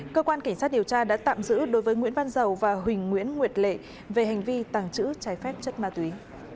cơ quan cảnh sát điều tra đã tạm giữ đối với nguyễn văn giàu và huỳnh nguyễn nguyệt lệ về hành vi tàng trữ trái phép chất ma túy